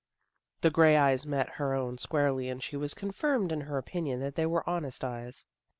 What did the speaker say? The gray eyes met her own squarely and she was confirmed in her opinion that they were honest eyes.